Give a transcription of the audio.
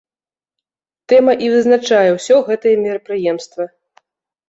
Тэма і вызначае ўсё гэтае мерапрыемства.